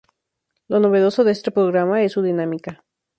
Lo novedoso de este programa está en su dinámica.